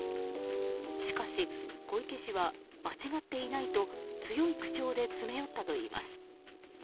しかし小池氏は間違っていないと強い口調で詰め寄ったといいます。